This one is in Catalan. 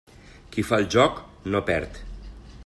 Qui fa el joc no perd.